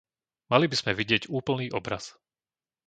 Mali by sme vidieť úplný obraz.